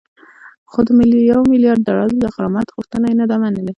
خو د یو میلیارد ډالرو د غرامت غوښتنه یې نه ده منلې